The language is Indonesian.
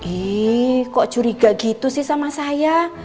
ih kok curiga gitu sih sama saya